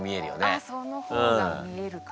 あっその方が見えるかも。